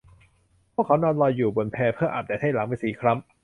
พวกเค้านอนลอยอยู่บนแพเพื่ออาบแดดให้หลังเป็นสีคล้ำ